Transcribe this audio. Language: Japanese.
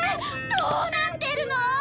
どうなってるの！？